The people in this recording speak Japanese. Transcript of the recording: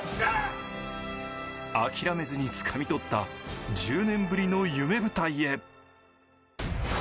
諦めずにつかみ取った１０年ぶりの夢舞台へ。